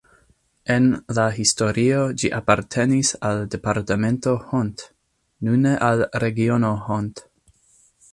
En la historio ĝi apartenis al departemento Hont, nune al regiono Hont.